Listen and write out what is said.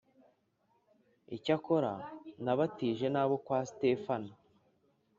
Icyakora nabatije nabo kwa Sitefana .